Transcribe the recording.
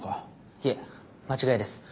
いえ間違いです。